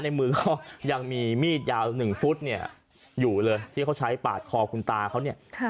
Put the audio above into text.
ในมือก็ยังมีมีดยาว๑ฟุตเนี่ยอยู่เลยที่เขาใช้ปาดคอคุณตาเขาเนี่ย